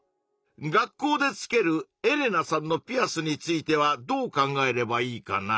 学校でつけるエレナさんのピアスについてはどう考えればいいかな？